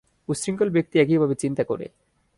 উশৃংখল ব্যক্তি একইভাবে চিন্তা করে।